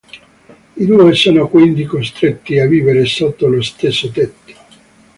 I due sono quindi costretti a vivere sotto lo stesso tetto.